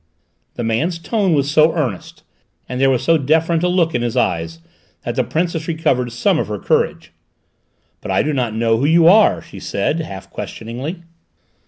The man's tone was so earnest, and there was so deferent a look in his eyes, that the Princess recovered some of her courage. "But I do not know who you are," she said half questioningly.